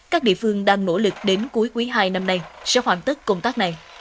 các địa phương đang nỗ lực đến cuối quý hai năm nay sẽ hoàn tất công tác này